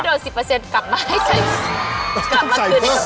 ต้องใส่กล้าเสร็จ